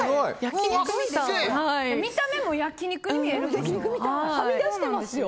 見た目も焼き肉に見えるでしょ。